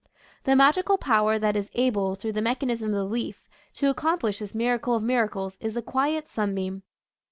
The magical power that is able through the mechanism of the leaf to accomplish this miracle of miracles is the quiet sunbeam.